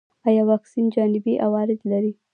ایا واکسین جانبي عوارض لري؟